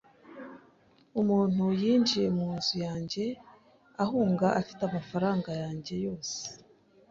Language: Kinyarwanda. Umuntu yinjiye munzu yanjye ahunga afite amafaranga yanjye yose.